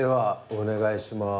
お願いします。